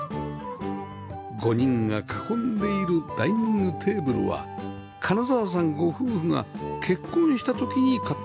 ５人が囲んでいるダイニングテーブルは金澤さんご夫婦が結婚した時に買ったもの